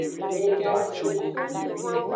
Eda sunsun.